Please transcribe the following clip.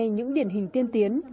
những điển hình tiên tiến